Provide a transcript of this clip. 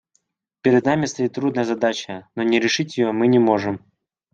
Перед нами стоит трудная задача, но не решить ее мы не можем.